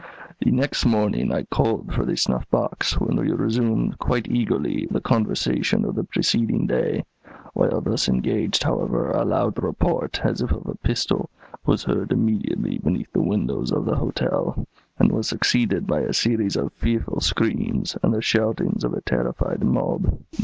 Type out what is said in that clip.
"The next morning I called for the snuff box, when we resumed, quite eagerly, the conversation of the preceding day. While thus engaged, however, a loud report, as if of a pistol, was heard immediately beneath the windows of the hotel, and was succeeded by a series of fearful screams, and the shoutings of a terrified mob.